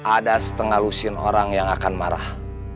ada setengah lusin orang yang akan marah